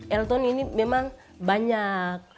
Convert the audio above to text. elton ini memang banyak